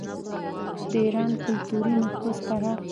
د ایران کلتوري نفوذ پراخ دی.